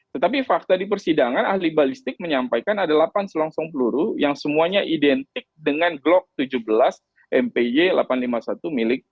tetapi fakta di persidangan ahli balistik menyampaikan ada delapan selongsong peluru yang semuanya identik dengan glock tujuh belas mpy delapan ratus lima puluh satu milik